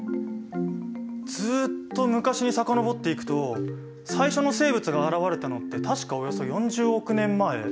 ずっと昔に遡っていくと最初の生物が現れたのって確かおよそ４０億年前。